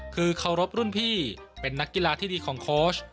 คือเคารพรุ่นพี่เป็นนักกีฬาที่ดีของโค้ช